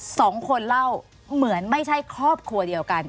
สองคนเล่าเหมือนไม่ใช่ครอบครัวเดียวกัน